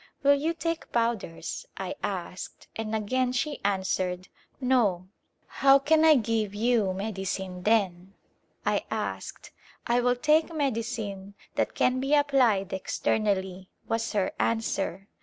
" Will you take powders ?" I asked, and again she answered, Insitoj's Fi^oni America "No." " How can I give you medicine then ?" I asked. " I will take medicine that can be applied ex ternally," was her answer.